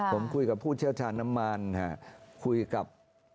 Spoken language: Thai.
ผมคุยกับผู้เชี่ยวชาญน้ำมันคุยกับ